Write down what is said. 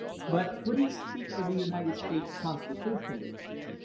But could he speak for the United States constitutionally?